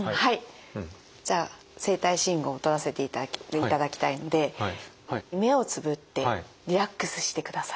じゃあ生体信号とらせていただきたいので目をつぶってリラックスしてください。